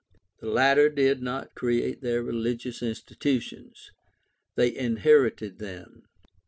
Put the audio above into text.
The latter did not create their religious institutions; they inherited them.